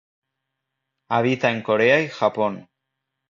Habita en Corea y Japón.